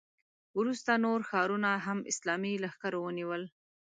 وروسته نور ښارونه هم اسلامي لښکرو ونیول.